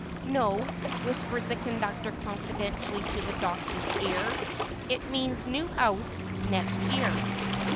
"No," whispered the conductor confidentially in the Doctor's ear; "it means, 'New House, Next Year.